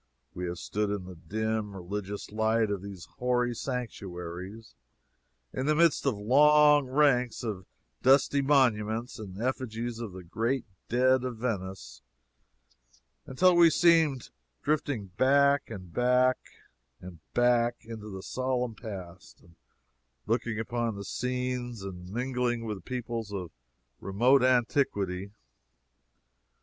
We have stood in the dim religious light of these hoary sanctuaries, in the midst of long ranks of dusty monuments and effigies of the great dead of Venice, until we seemed drifting back, back, back, into the solemn past, and looking upon the scenes and mingling with the peoples of a remote antiquity.